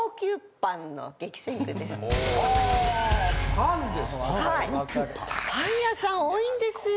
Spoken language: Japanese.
パン屋さん多いんですよ。